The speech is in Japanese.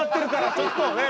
ちょっとねえ。